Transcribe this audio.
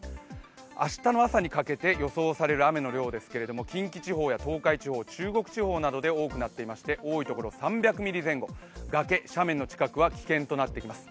明日の朝にかけて予想される雨の量ですけども近畿地方や東海地方、中国地方などで多くなっていまして多いところは３００ミリ前後、崖、斜面の近くは危険となってきます。